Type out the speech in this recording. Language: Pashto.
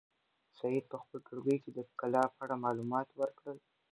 سعید په خپل ټولګي کې د کلا په اړه معلومات ورکړل.